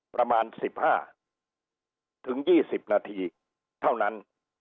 ประมาณ๑๕๒๐นาทีเท่านั้น